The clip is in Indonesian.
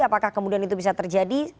apakah kemudian itu bisa terjadi